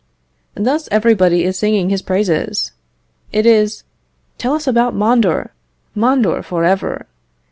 Thus everybody is singing his praises. It is, "Tell us about Mondor! Mondor for ever!